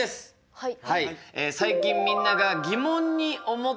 はい。